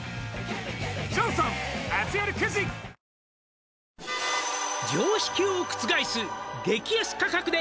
「ミノン」「常識を覆す激安価格で」